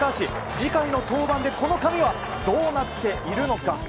次回の登板でこの髪はどうなっているのか。